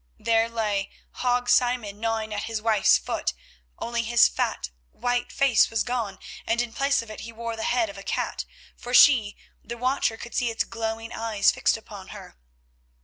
There lay Hague Simon gnawing at his wife's foot, only his fat, white face was gone, and in place of it he wore the head of a cat, for she, the watcher, could see its glowing eyes fixed upon her.